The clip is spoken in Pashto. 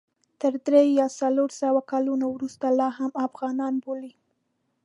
تر درې یا څلور سوه کلونو وروسته لا هم افغانان بولي.